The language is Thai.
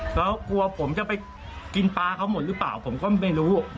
เขากลัวผมจะไปกินปลาเขาหมดหรือเปล่าผมก็ไม่รู้